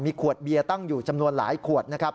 ขวดเบียร์ตั้งอยู่จำนวนหลายขวดนะครับ